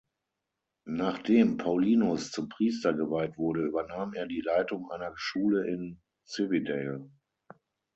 Nachdem Paulinus zum Priester geweiht wurde, übernahm er die Leitung einer Schule in Cividale.